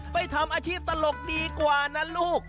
ไปทำอาชีพตลกดีกว่านะลูก